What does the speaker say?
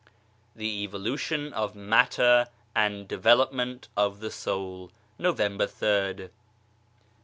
THE EVOLUTION OF MATTER AND DEVELOPMENT OF THE SOUL November yd.